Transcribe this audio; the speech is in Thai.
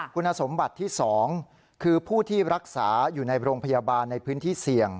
คุณสมบัติที่๒คือผู้ที่รักษาอยู่ในโรงพยาบาลในพื้นที่เสี่ยง